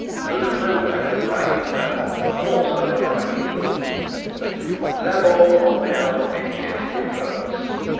There is no way of writing well and also of writing easily. Labor omnia vincit improbus.